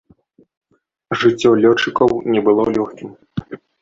Жыццё лётчыкаў не было лёгкім.